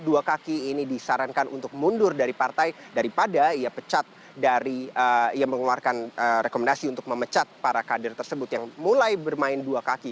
dua kaki ini disarankan untuk mundur dari partai daripada ia mengeluarkan rekomendasi untuk memecat para kader tersebut yang mulai bermain dua kaki